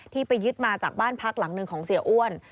ไปยึดมาจากบ้านพักหลังหนึ่งของเสียอ้วน